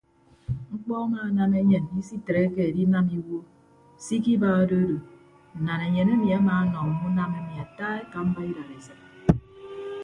Mkpọ amaanam enyen isitreke edinam iwuo se ikiba odo odo nnanaenyen emi amaanọ mme unam emi ata ekamba idadesịd.